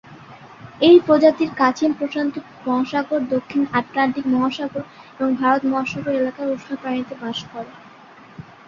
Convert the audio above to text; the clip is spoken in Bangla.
এই প্রজাতির কাছিম প্রশান্ত মহাসাগর, দক্ষিণ আটলান্টিক মহাসাগর এবং ভারত মহাসাগর এলাকার উষ্ণ পানিতে বাস করে।